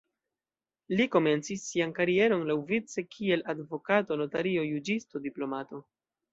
Li komencis sian karieron laŭvice kiel advokato, notario, juĝisto, diplomato.